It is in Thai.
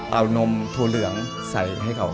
เอานมโถหลื่องใส่ให้เขา